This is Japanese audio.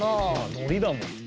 のりだもん。